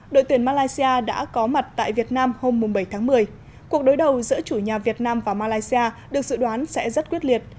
đội tuyển malaysia đã có mặt tại việt nam hôm bảy tháng một mươi cuộc đối đầu giữa chủ nhà việt nam và malaysia được dự đoán sẽ rất quyết liệt